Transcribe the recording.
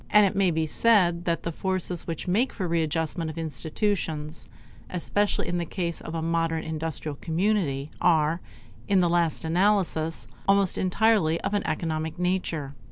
And it may be said that the forces which make for a readjustment of institutions, especially in the case of a modern industrial community, are, in the last analysis, almost entirely of an economic nature.